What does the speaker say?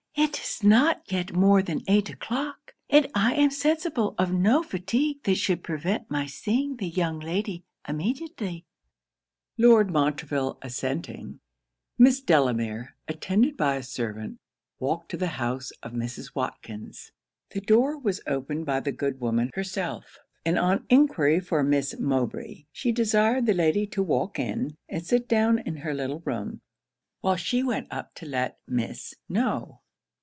'It is not yet more than eight o'clock, and I am sensible of no fatigue that should prevent my seeing the young lady immediately.' Lord Montreville assenting, Miss Delamere, attended by a servant, walked to the house of Mrs. Watkins. The door was opened by the good woman herself; and on enquiry for Miss Mowbray, she desired the lady to walk in, and sit down in her little room, while she went up to let Miss know.